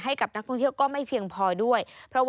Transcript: ให้กับนักท่องเที่ยวก็ไม่เพียงพอด้วย